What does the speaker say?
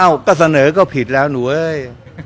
ก็เสนอก็ผิดแล้วหนูเอ้ย